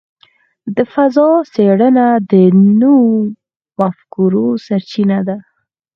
د فضاء څېړنه د نوو مفکورو سرچینه ده.